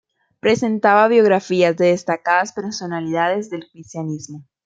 Presentaba biografías de destacadas personalidades del cristianismo.